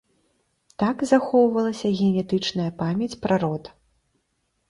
Так захоўвалася генетычная памяць пра род.